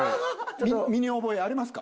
身に覚えありますか？